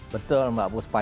betul mbak buspa